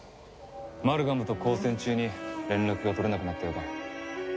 マルガムと交戦中に連絡が取れなくなったようだ。